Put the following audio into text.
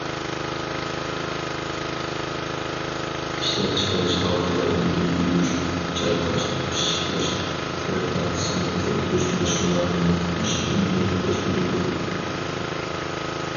ئىشلەپچىقىرىش ھالقىلىرىدىكى يۇيۇش، چايقاش، پىششىقلاش، تىرىپ تاختىسىنى قۇرۇتۇش مەشغۇلاتىنىڭ ئىش ئۈنۈمى ئۆستۈرۈلدى.